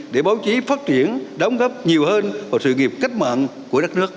để báo chí phát triển đóng góp nhiều hơn vào sự nghiệp cách mạng của đất nước